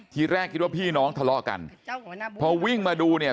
ทีแรกคิดว่าพี่น้องทะเลาะกันพอวิ่งมาดูเนี่ย